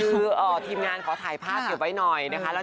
คือทีมงานขอถ่ายภาพเก็บไว้หน่อยนะคะ